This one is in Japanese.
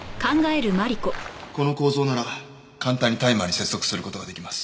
この構造なら簡単にタイマーに接続する事が出来ます。